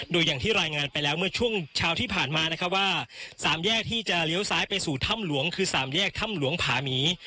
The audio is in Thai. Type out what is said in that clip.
โดยอย่างที่รายงานไปแล้วเมื่อช่วงเช้าที่ผ่านมานะครับว่าสามแยกที่จะเลี้ยวซ้ายไปสู่ถ้ำหลวงคือสามแยกถ้ำหลวงผาหมี